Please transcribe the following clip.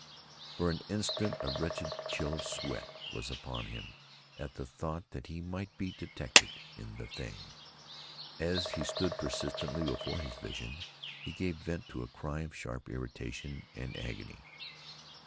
For an instant a wretched chill of sweat was upon him at the thought that he might be detected in the thing. As he stood persistently before his vision, he gave vent to a cry of sharp irritation and agony.